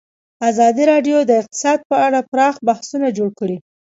ازادي راډیو د اقتصاد په اړه پراخ بحثونه جوړ کړي.